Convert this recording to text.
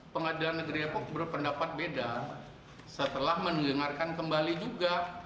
pengadilan negeri depok berpendapat beda setelah mendengarkan kembali juga